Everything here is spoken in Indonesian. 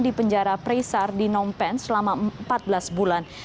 di penjara presar di phnom penh selama empat belas bulan